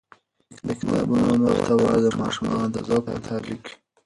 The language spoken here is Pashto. د کتابونو محتوا د ماشومانو د ذوق مطابق وي.